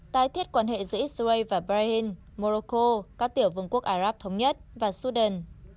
tái thiết quan hệ giữa israel và bahrain morocco các tiểu vương quốc ả ráp thống nhất và sudan